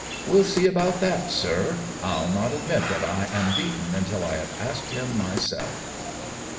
"We'll see about that, sir. I'll not admit that I am beaten until I have asked him myself."